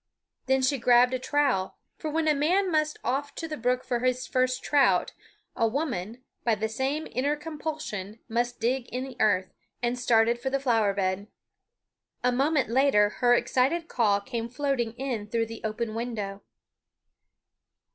Then she grabbed a trowel for when a man must off to the brook for his first trout a woman, by the same inner compulsion, must dig in the earth and started for the flower bed. A moment later her excited call came floating in through the open window.